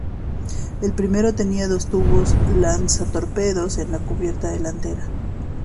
El primero tenía dos tubos lanzatorpedos en la cubierta delantera.